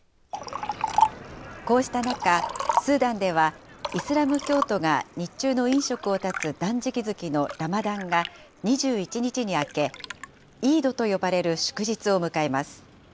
こうした中、スーダンでは、イスラム教徒が日中の飲食を断つ断食月のラマダンが２１日に明け、イードと呼ばれる祝日を迎えます。